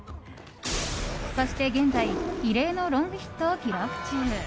そして、現在異例のロングヒットを記録中。